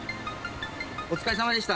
お疲れさまでした。